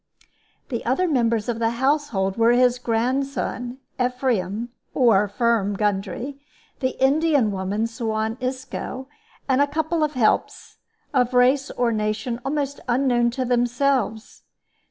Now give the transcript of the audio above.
The other members of the household were his grandson Ephraim (or "Firm" Gundry), the Indian woman Suan Isco, and a couple of helps, of race or nation almost unknown to themselves.